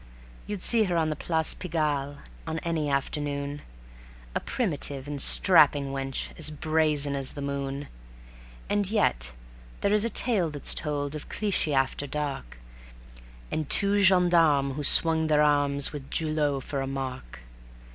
You'd see her on the Place Pigalle on any afternoon, A primitive and strapping wench as brazen as the moon. And yet there is a tale that's told of Clichy after dark, And two gendarmes who swung their arms with Julot for a mark.